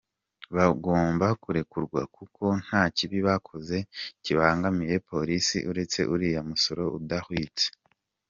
Bagomba kurekurwa kuko nta kibi bakoze kibangamiye Polisi uretse uriya musoro udahwitse.